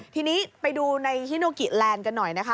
ทีนี้ไปดูในฮิโนกิแลนด์กันหน่อยนะคะ